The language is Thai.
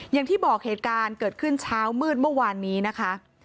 อย่างที่บอกเหตุการณ์เกิดขึ้นเช้ามืดเมื่อวานนี้นะคะ